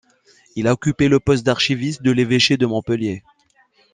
Il a occupé le poste d'archiviste de l'évêché de Montpellier.